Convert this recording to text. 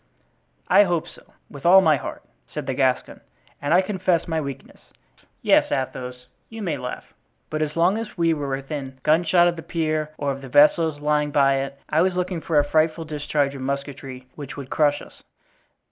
"I hope so, with all my heart," said the Gascon, "and I confess my weakness. Yes, Athos, you may laugh, but as long as we were within gunshot of the pier or of the vessels lying by it I was looking for a frightful discharge of musketry which would crush us."